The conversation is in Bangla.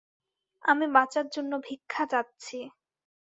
আমি বাঁচার জন্য ভিক্ষা চাচ্ছি।